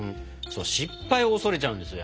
失敗を恐れちゃうんですよ